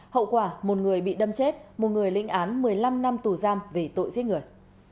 hậu quả một người bị đâm chết một người linh án một mươi năm năm tù giam về tội giết người